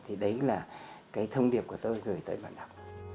thì đấy là cái thông điệp của tôi gửi tới bạn đọc